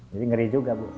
jadi ngeri juga bu